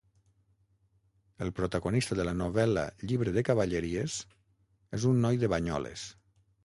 El protagonista de la novel·la Llibre de cavalleries és un noi de Banyoles.